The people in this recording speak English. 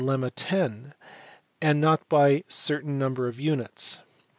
lemma 10), and not by a certain number of units.